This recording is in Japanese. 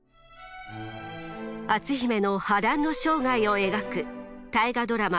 篤姫の波乱の生涯を描く「大河ドラマ」